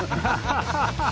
ハハハハ！